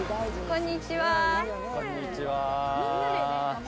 こんにちは。